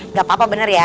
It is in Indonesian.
gak apa apa bener ya